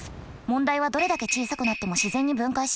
問題はどれだけ小さくなっても自然に分解しないこと。